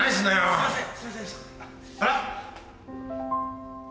すいません。